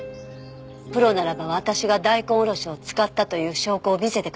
プロならば私が大根おろしを使ったという証拠を見せてください。